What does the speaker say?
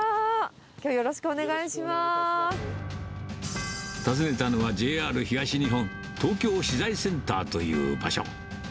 きょう、訪ねたのは、ＪＲ東日本東京資材センターという場所。